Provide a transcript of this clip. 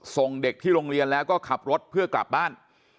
ส่งเด็กที่โรงเรียนแล้วก็ขับรถเพื่อกลับบ้าน